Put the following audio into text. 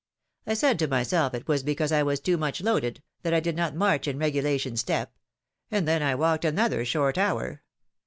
I said to myself it was because I was too much loaded, that I did not march in regulation step, and then I walked another short hour.